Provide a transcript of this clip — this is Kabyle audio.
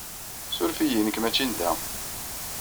Ssuref-iyi. Nekk maci n da.